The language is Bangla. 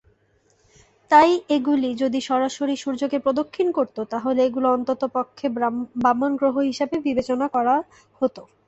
তাই এগুলি যদি সরাসরি সূর্যকে প্রদক্ষিণ করত, তাহলে এগুলিকে অন্ততপক্ষে বামন গ্রহ হিসাবে বিবেচনা করা হত।